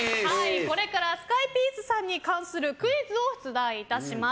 これからスカイピースさんに関するクイズを出題いたします。